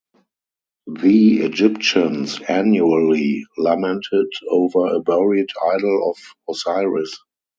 The Egyptians annually lamented over a buried idol of Osiris.